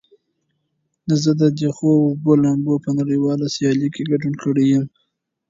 زه د یخو اوبو لامبو په نړیواله سیالۍ کې ګډون کړی یم.